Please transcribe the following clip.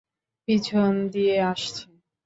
পিছন দিয়ে আসছে!